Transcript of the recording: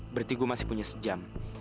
berarti gue masih punya sejam